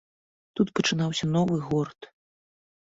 Тут пачынаўся новы горад.